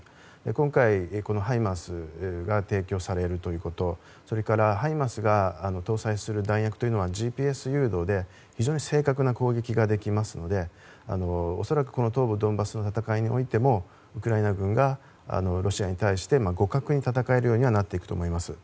今回、ハイマースが提供されるということそれからハイマースが搭載する弾薬というのはＧＰＳ誘導で非常に正確な攻撃ができますので恐らく、東部ドンバスの戦いにおいてもウクライナ軍がロシアに対して互角に戦えるようにはなっていくと思います。